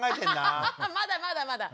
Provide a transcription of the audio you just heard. まだまだまだ。